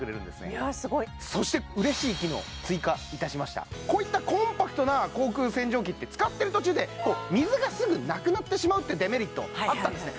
いやすごいそしてこういったコンパクトな口腔洗浄機って使ってる途中で水がすぐなくなってしまうってデメリットあったんですね